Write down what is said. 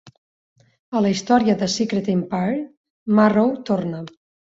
A la història de Secret Empire, Marrow torna.